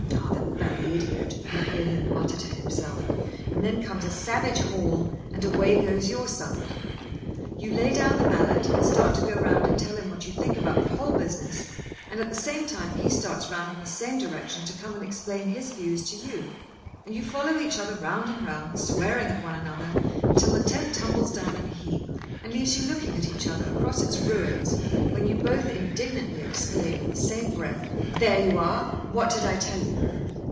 "Ah, the bally idiot!" you hear him mutter to himself; and then comes a savage haul, and away goes your side. You lay down the mallet and start to go round and tell him what you think about the whole business, and, at the same time, he starts round in the same direction to come and explain his views to you. And you follow each other round and round, swearing at one another, until the tent tumbles down in a heap, and leaves you looking at each other across its ruins, when you both indignantly exclaim, in the same breath: "There you are! what did I tell you?"